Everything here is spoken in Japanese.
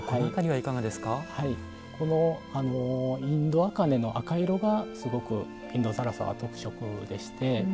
はいこのインド茜の赤色がすごくインド更紗は特色でして。